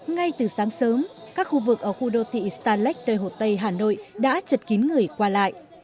ngay từ sáng sớm các khu vực ở khu đô thị starlek tây hồ tây hà nội đã chật kín người qua lại